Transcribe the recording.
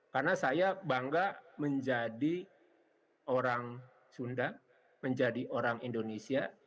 karena saya bangga menjadi orang sunda menjadi orang indonesia